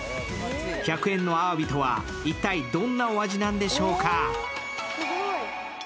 １００円のあわびとは一体、どんなお味なんでしょうか？